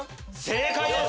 正解です！